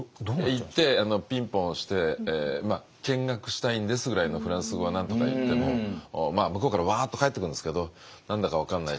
行ってピンポン押して「見学したいんです」ぐらいのフランス語はなんとか言っても向こうからワーッと返ってくるんですけど何だか分からないし。